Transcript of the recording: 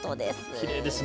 きれいですね。